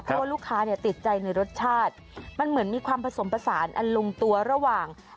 เพราะว่าลูกค้าเนี่ยติดใจในรสชาติมันเหมือนมีความผสมผสานอันลงตัวระหว่าง